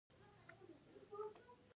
په افغانستان کې د یاقوت تاریخ اوږد دی.